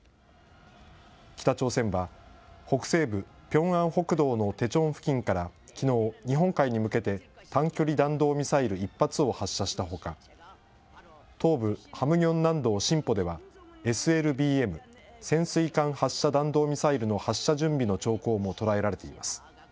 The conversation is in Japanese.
北朝鮮は、北西部ピョンアン北道のテチョン付近からきのう、日本海に向けて短距離弾道ミサイル１発を発射したほか、東部ハムギョン南道シンポでは、ＳＬＢＭ・潜水艦発射弾道ミサイルの発射準備の兆候も捉えられています。